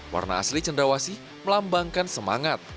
warna asli cendrawasi melambangkan semangat